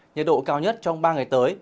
nhiệt độ cao nhất trong ba ngày tới